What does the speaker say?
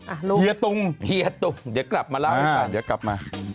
ไอ้นาจาไหม